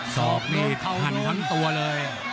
สอกนี่หันทั้งตัวเลย